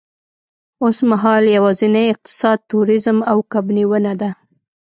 اوسمهال یوازېنی اقتصاد تورېزم او کب نیونه ده.